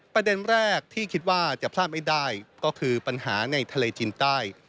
ประเด็นแรกที่คิดว่าจะพลาดไม่ได้ก็คือปัญหาในทะเลจีนใต้